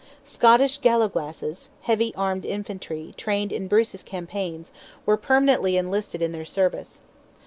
Scottish gallowglasses—heavy armed infantry, trained in Bruce's campaigns, were permanently enlisted in their service.